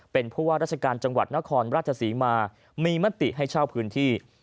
เป็นผู้ว่าราชการจังหวัดนครราชศรีมามีมติให้เช่าพื้นที่